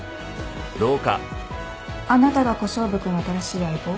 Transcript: あなたが小勝負君の新しい相棒？